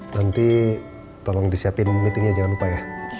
nanti tolong disiapin meetingnya jangan lupa ya